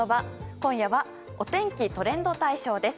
今夜は、お天気トレンド大賞です。